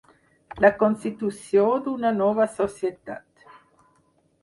La constitució d'una nova societat.